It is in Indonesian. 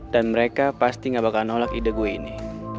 dan mereka pasti gak bakal nolak ide gua ini